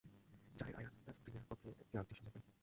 জারের আয়া রাসপুটিনের কক্ষে একটা আংটির সন্ধান পায়।